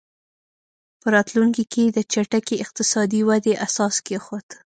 په راتلونکي کې یې د چټکې اقتصادي ودې اساس کېښود.